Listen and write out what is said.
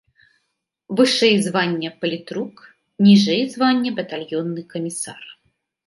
Вышэй звання палітрук, ніжэй звання батальённы камісар.